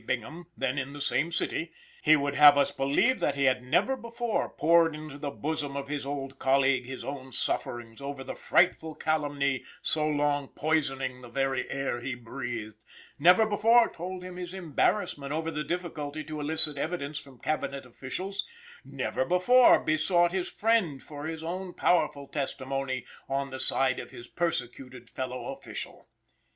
Bingham, then in the same city, he would have us believe that he had never before poured into the bosom of his old colleague his own sufferings over the frightful calumny so long poisoning the very air he breathed, never before told him his embarrassment over the difficulty to elicit evidence from Cabinet officials, never before besought his friend for his own powerful testimony on the side of his persecuted fellow official.